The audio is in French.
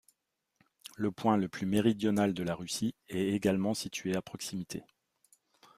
Le point le plus méridional de la Russie est également situé à proximité.